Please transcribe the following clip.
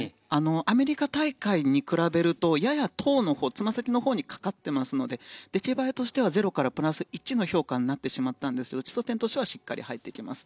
アメリカ大会に比べるとややトウ、つま先のほうにかかっていますので出来栄えとしては０からプラス１の評価になってしまったんですが基礎点としてはしっかり入っていきます。